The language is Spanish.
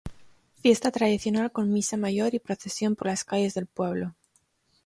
Fiesta tradicional con Misa mayor y procesión por las calles del pueblo.